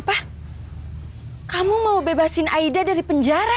apa kamu mau bebasin aida dari penjara